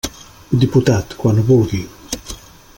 Diputat, quan vulgui.